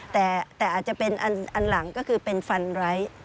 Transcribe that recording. แต่อาจจะเป็นอันหลังก็คือเป็นฟันไร้